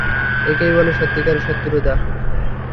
একেই বলে সত্যি কারের শত্রুতা!